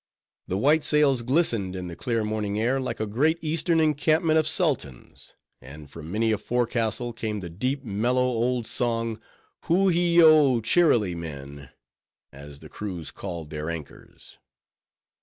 The white sails glistened in the clear morning air like a great Eastern encampment of sultans; and from many a forecastle, came the deep mellow old song Ho o he yo, cheerily men! as the crews called their anchors.